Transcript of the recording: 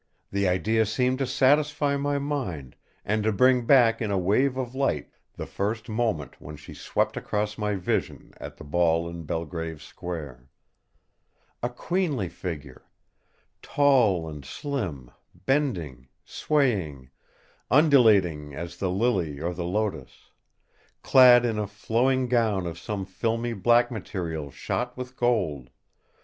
The idea seemed to satisfy my mind, and to bring back in a wave of light the first moment when she swept across my vision at the ball in Belgrave Square. A queenly figure! tall and slim, bending, swaying, undulating as the lily or the lotos. Clad in a flowing gown of some filmy black material shot with gold.